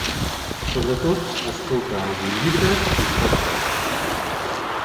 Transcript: Sobretot escolta àudiollibres i podcasts